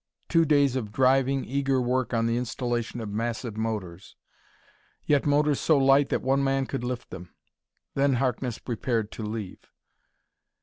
Two days of driving, eager work on the installation of massive motors yet motors so light that one man could lift them then Harkness prepared to leave.